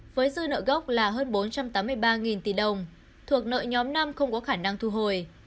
với dư nợ gốc là hơn bốn trăm tám mươi ba tỷ đồng thuộc nợ nhóm năm không có khả năng thu hồi